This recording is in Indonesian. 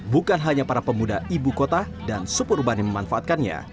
bukan hanya para pemuda ibu kota dan suburban yang memanfaatkannya